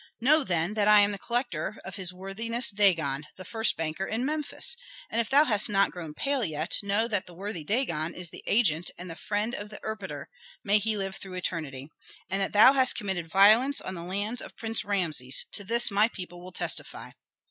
Know, then, that I am the collector of his worthiness Dagon, the first banker in Memphis. And if thou hast not grown pale yet, know that the worthy Dagon is the agent and the friend of the erpatr, may he live through eternity! and that thou hast committed violence on the lands of Prince Rameses; to this my people will testify."